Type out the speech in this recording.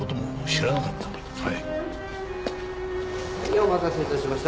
「お待たせ致しました。